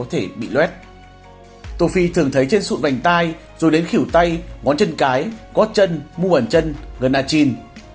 tô phi thường thấy trên sụn vành tay rồi đến khỉu tay ngón chân cái gót chân mu hẳn chân gần na chìn